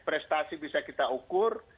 prestasi bisa kita ukur